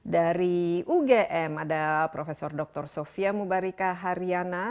dari ugm ada prof dr sofia mubarika haryana